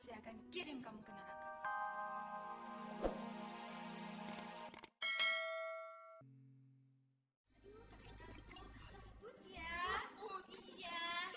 saya akan kirim kamu ke neraka